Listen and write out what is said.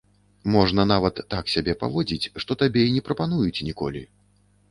Можна нават так сябе паводзіць, што табе і не прапануюць ніколі.